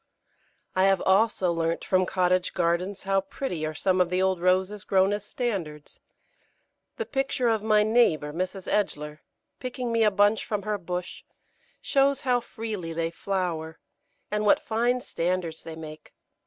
I have also learnt from cottage gardens how pretty are some of the old Roses grown as standards. The picture of my neighbour, Mrs. Edgeler, picking me a bunch from her bush, shows how freely they flower, and what fine standards they make.